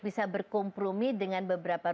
bisa berkompromi dengan beberapa